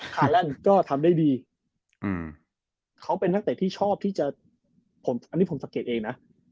แลนด์ก็ทำได้ดีเขาเป็นนักเตะที่ชอบที่จะผมอันนี้ผมสังเกตเองนะ